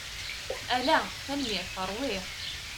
Ala, tenemmirt. Ṛwiɣ.